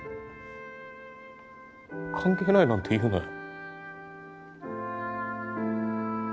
関係ないなんて言うなよ。